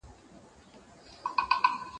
زه به سبا د ښوونځي کتابونه مطالعه وکړم!.